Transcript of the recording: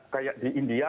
kayak di india